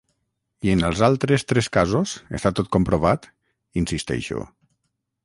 I en els altres tres casos està tot comprovat? —insisteixo.